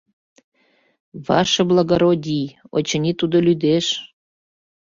Ваше благородий, очыни, тудо лӱдеш.